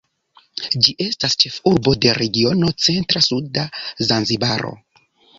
Ĝi estas ĉefurbo de regiono Centra-Suda Zanzibaro.